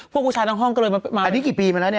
พวกกูชายทั้งห้องก็เลยมันี่